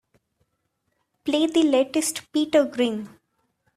Play the latest Peter Green.